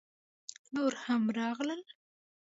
_نور هم راغلل!